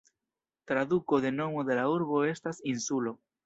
Traduko de nomo de la urbo estas "insulo".